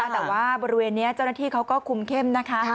แต่ว่าบริเวณนี้เจ้าหน้าที่เขาก็คุมเข้มนะคะ